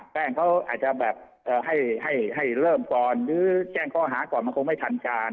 แป้งเขาอาจจะแบบให้เริ่มก่อนหรือแจ้งข้อหาก่อนมันคงไม่ทันการ